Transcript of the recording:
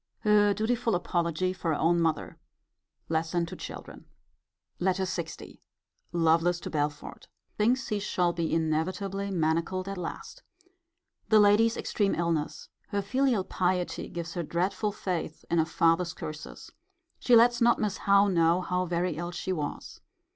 Her dutiful apology for her own mother. Lesson to children. LETTER LX. Lovelace to Belford. Thinks he shall be inevitably manacled at last. The lady's extreme illness. Her filial piety gives her dreadful faith in a father's curses. She lets not Miss Howe know how very ill she was.